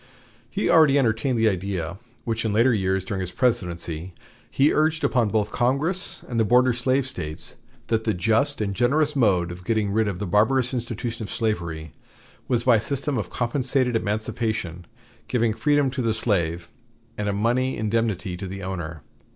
He already entertained the idea which in later years during his presidency he urged upon both Congress and the border slave States, that the just and generous mode of getting rid of the barbarous institution of slavery was by a system of compensated emancipation giving freedom to the slave and a money indemnity to the owner.